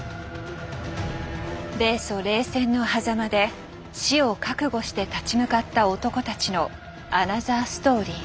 米ソ冷戦のはざまで死を覚悟して立ち向かった男たちのアナザーストーリー。